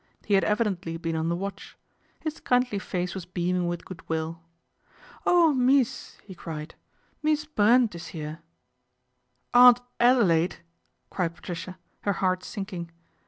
He had evidently been on the watch. His kindly face was beaming with goodwill. " Oh, mees !' he cried. " Mees Brent is here. '" Aunt Adelaide I >J cried Patricia, her heart sinking.